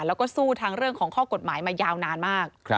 แล้วก็สู้ทั้งเรื่องของข้อกฎหมายมายาวนานมาก